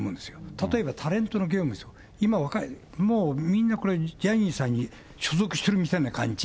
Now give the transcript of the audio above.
例えばタレントの業務ですよ、今は若い、みんなこれ、ジャニーさんに所属してるみたいな感じ。